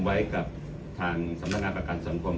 ไว้กับทางสำนักงานประกันสังคม